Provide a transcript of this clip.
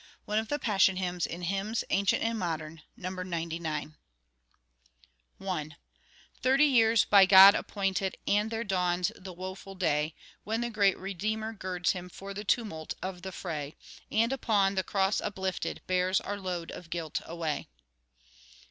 one of the Passion hymns in "Hymns Ancient and Modern" (No. 99). I Thirty years by God appointed, And there dawns the woeful day, When the great Redeemer girds Him For the tumult of the fray; And upon the cross uplifted, Bears our load of guilt away.